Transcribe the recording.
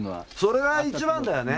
それは一番だよね。